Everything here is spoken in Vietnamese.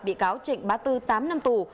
bị cáo trịnh ba tư tám năm tù